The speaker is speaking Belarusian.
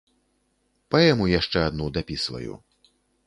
Паэму яшчэ адну дапісваю.